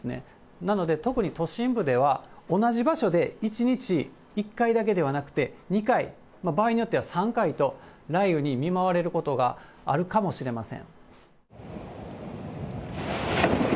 なので、特に都心部では、同じ場所で１日１回だけではなくて、２回、場合によっては３回と、雷雨に見舞われることがあるかもしれません。